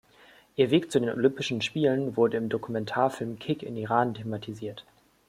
Ihr Weg zu den Olympischen Spielen wurde im Dokumentarfilm Kick in Iran thematisiert.